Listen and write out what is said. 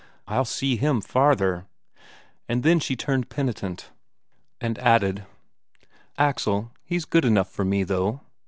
"I'll see him farther!" But then she turned penitent, and added: "Alex, he's good enough for me, though....